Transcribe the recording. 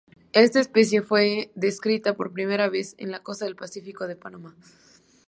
Esta especie fue descrita por primera vez en la costa del Pacífico en Panamá.